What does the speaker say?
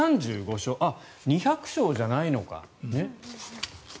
あっ、２００勝じゃないのか。